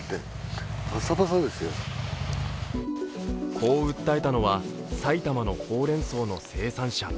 こう訴えたのは埼玉のほうれんそうの生産者。